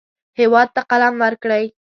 هېواد ته قلم ورکړئ